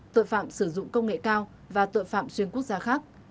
tội phạm sử dụng công nghệ cao và tội phạm xuyên quốc gia khác